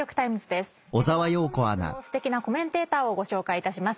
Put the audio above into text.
では本日のすてきなコメンテーターをご紹介いたします。